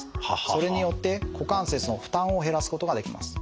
それによって股関節の負担を減らすことができます。